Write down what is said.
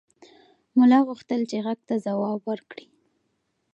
ملا غوښتل چې غږ ته ځواب ورکړي.